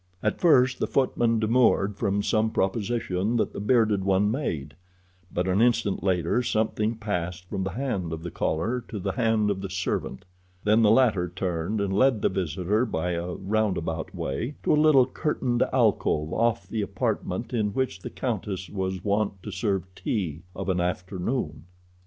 At first the footman demurred from some proposition that the bearded one made, but an instant later something passed from the hand of the caller to the hand of the servant. Then the latter turned and led the visitor by a roundabout way to a little curtained alcove off the apartment in which the countess was wont to serve tea of an afternoon.